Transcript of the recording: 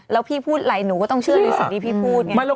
แล้วพี่พูดอะไรหนูก็ต้องเชื่อในสิ่งที่พี่พูดไง